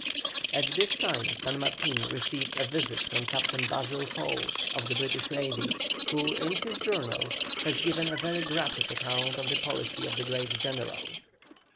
At this time San Martin received a visit from Captain Basil Hall, of the British navy, who, in his Journal, has given a very graphic account of the policy of the great General.